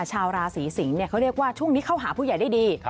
ชาวราศีสิงศ์เขาเรียกว่าช่วงนี้เข้าหาผู้ใหญ่ได้ดี